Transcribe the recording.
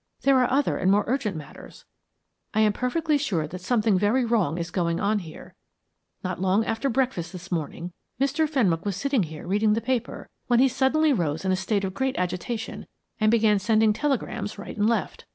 There are other and more urgent matters. I am perfectly sure that something very wrong is going on here. Not long after breakfast this morning, Mr. Fenwick was sitting here reading the paper, when he suddenly rose in a state of great agitation and began sending telegrams right and left.